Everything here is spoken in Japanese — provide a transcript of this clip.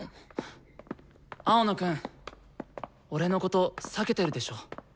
青野くん俺のこと避けてるでしょ？